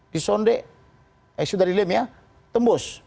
di sonde eh itu dari lem ya tembus